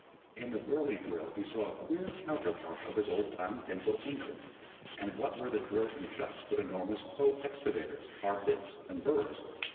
In the Burly drill he saw a queer counterpart of his old time dental engine; and what were the drills and chucks but enormous hoe excavators, hard bits, and burrs?